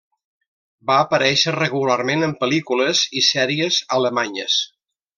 Va aparèixer regularment en pel·lícules i sèries alemanyes.